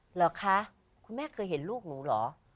เหรอคะคุณแม่เคยเห็นลูกหนูเหรอ